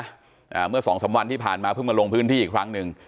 อ่าเมื่อสองสามวันที่ผ่านมาเพิ่งมาลงพื้นที่อีกครั้งหนึ่ง